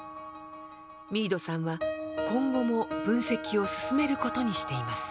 ミードさんは今後も分析を進める事にしています。